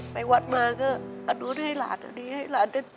ไปวัดมาก็อันนู้นให้หลานอันนี้ให้หลานอันนี้